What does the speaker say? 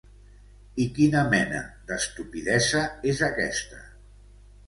I quina mena d'estupidesa és aquesta?